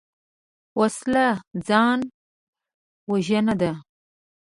وسله ځان وژنه ده